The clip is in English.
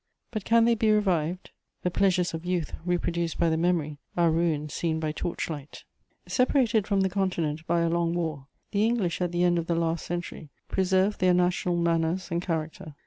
But can they be revived? The pleasures of youth reproduced by the memory are ruins seen by torchlight. * Separated from the Continent by a long war, the English at the end of the last century preserved their national manners and character.